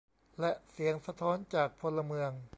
และเสียงสะท้อนจากพลเมือง